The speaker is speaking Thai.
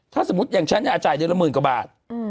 ถ้าสมมุติอย่างฉันเนี่ยจ่ายเดือนละหมื่นกว่าบาท